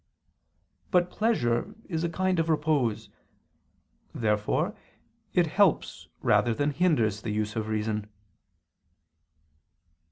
But pleasure is a kind of repose. Therefore it helps rather than hinders the use of reason.